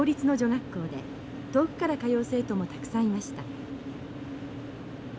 学校で遠くから通う生徒もたくさんいました。